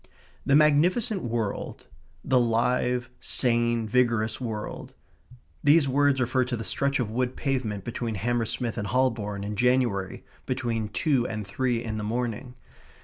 The magnificent world the live, sane, vigorous world .... These words refer to the stretch of wood pavement between Hammersmith and Holborn in January between two and three in the morning.